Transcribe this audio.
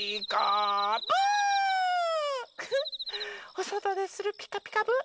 おそとでする「ピカピカブ！」